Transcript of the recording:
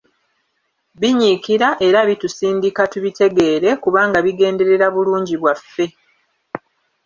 Binyiikira, era bitusindika tubitegeere, kubanga bigenderera bulungi bwaffe.